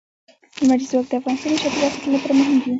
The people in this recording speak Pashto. لمریز ځواک د افغانستان د چاپیریال ساتنې لپاره مهم دي.